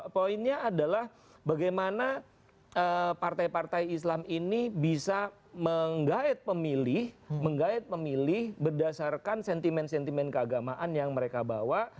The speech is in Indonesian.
poinnya adalah bagaimana partai partai islam ini bisa menggait pemilih menggait pemilih berdasarkan sentimen sentimen keagamaan yang mereka bawa